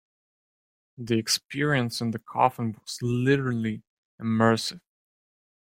The experience in the coffin was literally immersive.